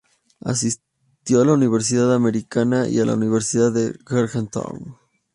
Asistió a la Universidad Americana y la Universidad de Georgetown.